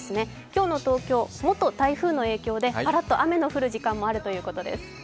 今日の台風は元台風の影響で雨の降る時間もあるということです。